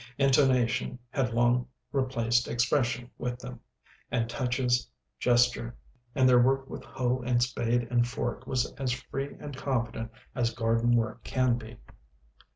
Intonation had long replaced expression with them, and touches gesture, and their work with hoe and spade and fork was as free and confident as garden work can be.